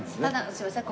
すいません